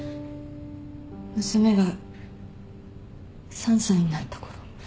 娘が３歳になった頃。